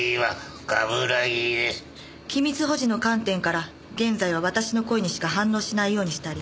機密保持の観点から現在は私の声にしか反応しないようにしてあります。